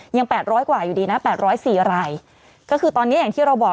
แปดร้อยกว่าอยู่ดีนะ๘๐๔รายก็คือตอนนี้อย่างที่เราบอก